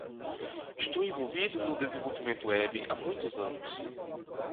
Estou envolvido no desenvolvimento web há muitos anos.